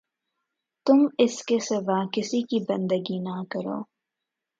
تم اس کے سوا کسی کی بندگی نہ کرو